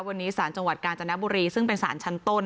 วันนี้สารจังหวัดกาญจนบุรีซึ่งเป็นสารชั้นต้น